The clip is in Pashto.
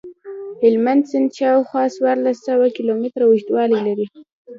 هلمند سیند شاوخوا څوارلس سوه کیلومتره اوږدوالی لري.